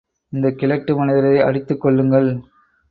இந்தக் கிழட்டு மனிதரை அடித்துக் கொல்லுங்கள்.